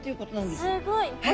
すごい。